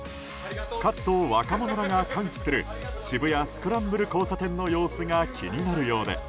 勝つと、若者らが歓喜する渋谷スクランブル交差点の様子が気になるようで。